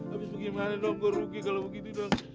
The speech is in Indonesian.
habis bagaimana dong gue rugi kalau begitu dong